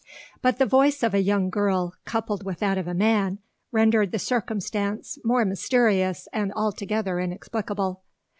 But the voice of a young girl, coupled with that of a man, rendered the circumstance more mysterious and altogether inexplicable.